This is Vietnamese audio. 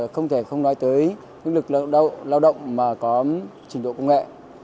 không thể không nói tới lực lượng lao động mà có trình độ công nghệ